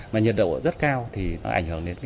mà nhiệt độ rất cao thì nó ảnh hưởng đến